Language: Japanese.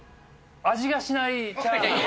味がしないチャーハン。